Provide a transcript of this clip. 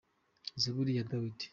Zaburi ya Dawidi.